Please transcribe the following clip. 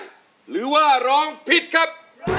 หรือว่าร้องผิดครับ